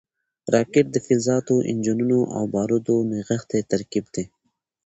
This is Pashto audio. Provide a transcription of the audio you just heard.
راکټ د فلزاتو، انجنونو او بارودو نغښتی ترکیب دی